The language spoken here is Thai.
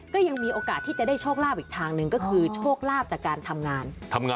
ก็ยังมีโอกาสที่จะได้โชคลาภอีกทางหนึ่งก็คือโชคลาภจากการทำงาน